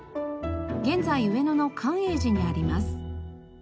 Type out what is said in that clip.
現在上野の寛永寺にあります。